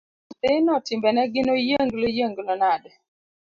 Nyathino timbene gin oyienglo yienglo nade.